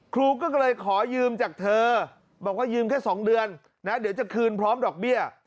ครูก็เลยขอยืมจากเธอบอกว่ายืมแค่๒เดือนนะเดี๋ยวจะคืนพร้อมดอกเบี้ย